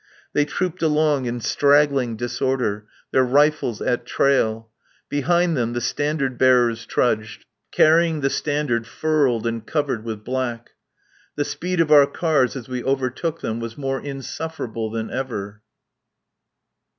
They trooped along in straggling disorder, their rifles at trail; behind them the standard bearers trudged, carrying the standard furled and covered with black. The speed of our cars as we overtook them was more insufferable than ever.